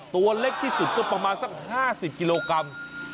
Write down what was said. ตัวเล็กที่สุดก็ประมาณสัก๕๐กิโลกรัม